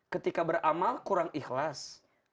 ketika beramal kurang ikhlas